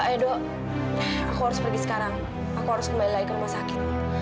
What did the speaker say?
ayo dok aku harus pergi sekarang aku harus kembali lagi ke rumah sakit